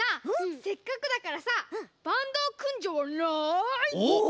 せっかくだからさバンドをくんじゃわない？おっ！？